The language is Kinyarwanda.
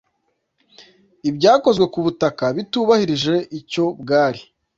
ibyakozwe ku butaka bitubahirije icyo bwari